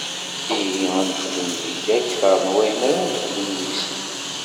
Ihi, ad nexdem deg-k akteṛ n wayen ara nexdem deg-sen!